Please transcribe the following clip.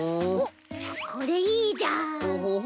おっこれいいじゃん。